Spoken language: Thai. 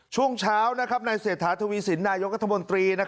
ช่วงเช้าในเศรษฐาทวีสินนายกรัฐมนตรี